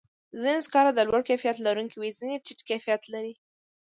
ځینې سکاره د لوړ کیفیت لرونکي وي، ځینې ټیټ کیفیت لري.